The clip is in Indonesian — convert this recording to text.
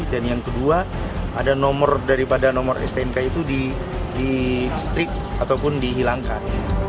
dan yang kedua ada nomor daripada nomor stnk itu di strik ataupun dihilangkan